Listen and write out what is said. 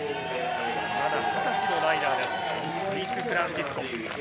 まだ２０歳のライダーです、ルイス・フランシスコ。